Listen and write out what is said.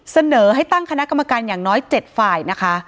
เสนอให้ตั้งคณะกรรมการอย่างน้อย๗ฝ่ายนะคะ